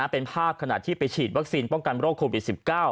เป็นภาพขณะที่ไปฉีดวัคซีนป้องกันโรคโควิด๑๙